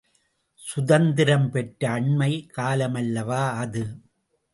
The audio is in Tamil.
சுதந்திரம் பெற்ற அண்மை காலமல்லவா அது.